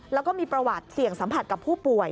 แล้วก็มีประวัติเสี่ยงสัมผัสกับผู้ป่วย